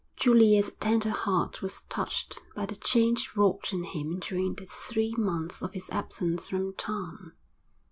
Julia's tender heart was touched by the change wrought in him during the three months of his absence from town.